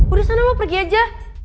udah sana lo pergi aja